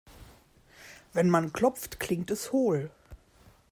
Wenn man klopft, klingt es hohl.